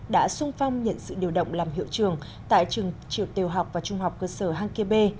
đã sung phong nhận sự điều động làm hiệu trường tại trường chiều tiêu học và trung học cơ sở hàng kia b